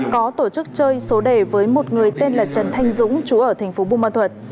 có tổ chức chơi số đề với một người tên là trần thanh dũng trú ở tp bùa ma thuật